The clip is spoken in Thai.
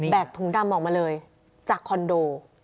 ถุงดำออกมาเลยจากคอนโด